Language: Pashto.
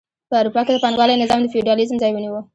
په اروپا کې د پانګوالۍ نظام د فیوډالیزم ځای ونیو.